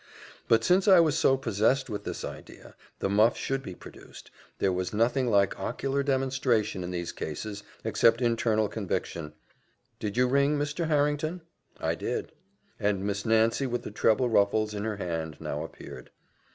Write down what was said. But since I was so possessed with this idea, the muff should be produced there was nothing like ocular demonstration in these cases, except internal conviction: "Did you ring, Mr. Harrington?" "I did." And Miss Nancy with the treble ruffles in her hand now appeared.